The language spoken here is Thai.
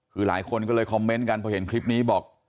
คือหลายคนก็เลยคอมเมนต์กันพอเห็นคลิปนี้บอก